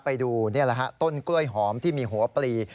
ไปดูนี่แหละฮะต้นกล้วยหอมที่มีหัวปลี